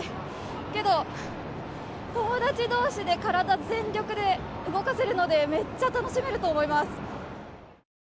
けど友達同士で体全力で動かせるので、めっちゃ楽しめると思います。